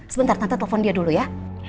sebentar tante telepon dia dulu ya